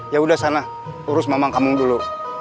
yaudah sana urus mamang kamung dulu